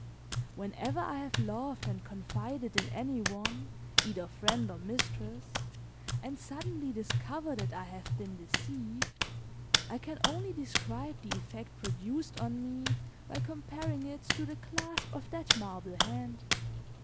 Whenever I have loved and confided in any one, either friend or mistress, and suddenly discover that I have been deceived, I can only describe the effect produced on me by comparing it to the clasp of that marble hand.